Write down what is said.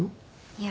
いや。